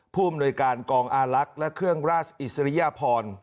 ผู้อำนวยการกองอาลักษณ์และเครื่องราชอิสริยพร